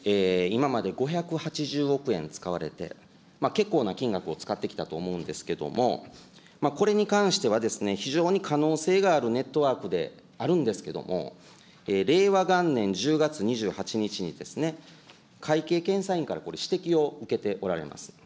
今まで５８０億円使われて、結構な金額を使ってきたと思うんですけども、これに関しては非常に可能性があるネットワークであるんですけども、令和元年１０月２８日にですね、会計検査院からこれ、指摘を受けておられます。